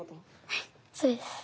はいそうです。